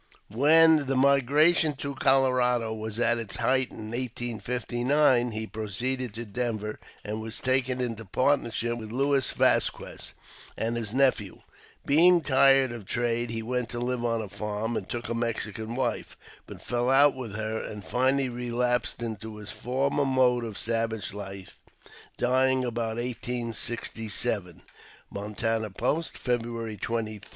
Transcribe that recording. When the migration to Colorado was at its height in 1859, he pro ceeded to Denver, and was taken into partnership with Louis Vasquez and his nephew. Being tired of trade, he went to live on a farm, and took a Mexican wife, but fell out with her, and finally relapsed into his former mode of savage life, dying about 1867 " {Montana Post, February 23, 1867).